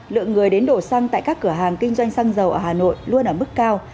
lượng người đến đổ xăng tại các cửa hàng kinh doanh xăng dầu ở hà nội luôn ở mức cao